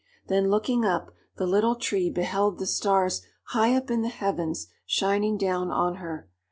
Then looking up, the Little Tree beheld the Stars high up in the heavens shining down on her.